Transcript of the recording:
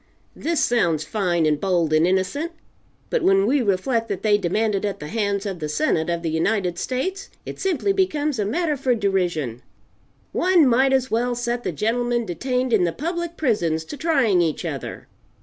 This sounds fine and bold and innocent; but when we reflect that they demand it at the hands of the Senate of the United States, it simply becomes matter for derision. One might as well set the gentlemen detained in the public prisons to trying each other.